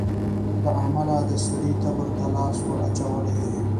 له امله د سړي تبر ته لاستى وراچولى دى.